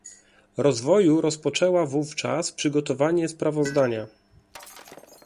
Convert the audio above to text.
Rozwoju rozpoczęła wówczas przygotowanie sprawozdania